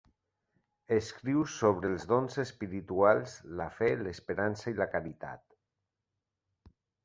Escriu sobre els dons espirituals, la fe, l'esperança i la caritat.